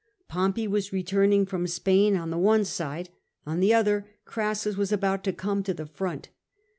Pompey was returning from Spain on the one side, on the other Crassus was about to come to the front.